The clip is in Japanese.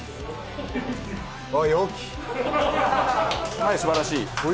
はい素晴らしい！